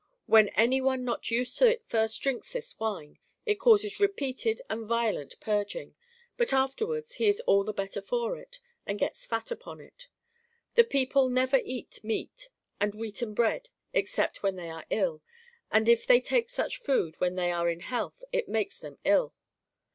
When any one not used to it first drinks this wine, it causes repeated and violent purging, but afterwards he is all the better for it, and gets fat upon it. The people never eat meat and wheaten bread except when they are ill, and if they take such food when they are in health it makes them ill.